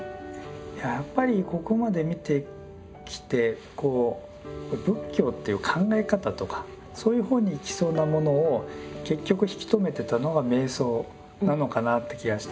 いややっぱりここまで見てきて仏教という考え方とかそういう方に行きそうなものを結局引き止めてたのが瞑想なのかなって気がして。